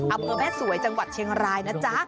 อำเภอแม่สวยจังหวัดเชียงรายนะจ๊ะ